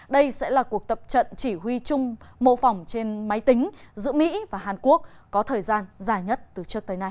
đây sẽ là cuộc tập trận chỉ huy chung mô phỏng trên máy tính giữa mỹ và hàn quốc có thời gian dài nhất từ trước tới nay